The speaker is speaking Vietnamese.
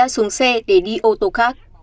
xuống xe để đi ô tô khác